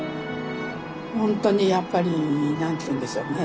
ほんとにやっぱり何て言うんでしょうね